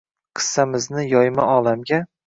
… Qissamizni yoyma olamga